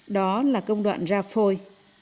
đó là công đoạn ra phôi